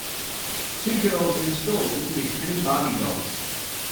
Two girls in a store looking at Ken and Barbie dolls.